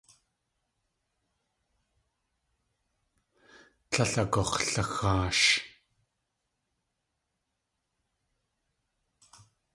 Tlél agux̲laxaash.